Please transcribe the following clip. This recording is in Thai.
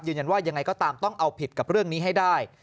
ยังไงก็ตามต้องเอาผิดกับเรื่องนี้ให้ได้